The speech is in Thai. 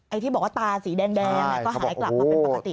ที่บอกว่าตาสีแดงก็หายกลับมาเป็นปกติ